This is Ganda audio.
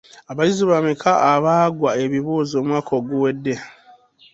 Abayizi bameka abaagwa ebibuuzo omwaka oguwedde?